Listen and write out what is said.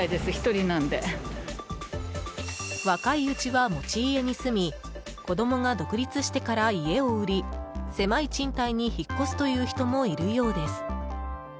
若いうちは持ち家に住み子供が独立してから家を売り狭い賃貸に引っ越すという人もいるようです。